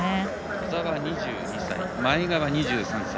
兎澤、２２歳前川、２３歳。